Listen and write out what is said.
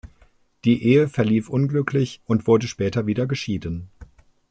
Die Ehe verlief unglücklich und wurde später wieder geschieden.